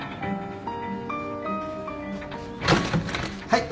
はい。